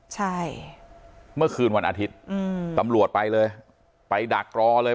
ใช่เมื่อคืนวันอาทิตย์อืมตำรวจไปเลยไปดักรอเลย